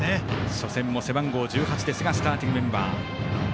初戦も背番号１８ですがスターティングメンバー。